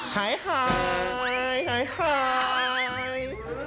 ไฮไฮไฮไฮ